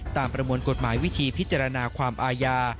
ประมวลกฎหมายวิธีพิจารณาความอาญา